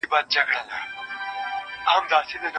زما خور زما لپاره د زړه له کومې دعا کوي.